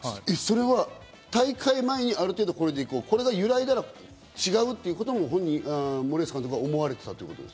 大会前にある程度これでいこう、これが揺らいだら違うということも森保監督は思われていた？